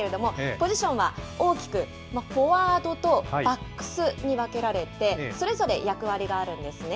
ポジションは大きくフォワードとバックスに分けられて、それぞれ役割があるんですね。